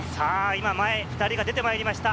今、前２人が出てきました。